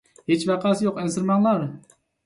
ھېچ ۋەقەسى يوق، ئەنسىرىمەڭلار!